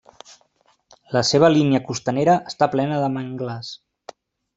La seva línia costanera està plena de manglars.